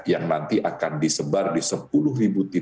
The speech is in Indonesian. yang nanti akan disebar di sepuluh titik